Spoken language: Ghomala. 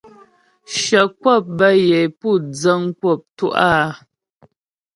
Shyə kwəp bə́ yə é pú dzəŋ kwəp tú' áa.